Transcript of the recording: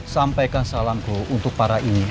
sampaikan salamku untuk para ini